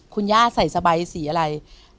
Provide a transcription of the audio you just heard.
คุณย่าใส่สบายสีอะไร